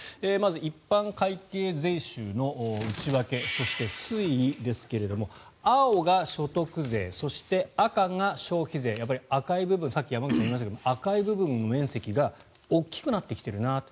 一般会計税収の内訳そして、推移ですが青が所得税そして赤が消費税赤い部分さっき山口さんも言いましたが赤い部分の面積が大きくなってきてるなと。